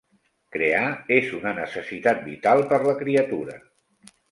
Crear és una necessitat vital per la criatura.